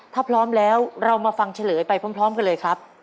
ถ้าพร้อมแล้วเรามาฟังเฉลยไปพร้อมกันเลยครับ